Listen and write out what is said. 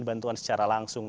bantuan secara langsung